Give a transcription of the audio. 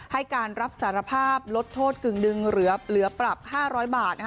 ให้การรับสารภาพลดโทษกึ่งหนึ่งเหลือปรับ๕๐๐บาท